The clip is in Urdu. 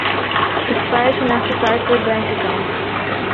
ایکسپائر شناختی کارڈ پر بینک اکائونٹ